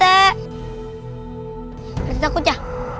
pak rt takut ya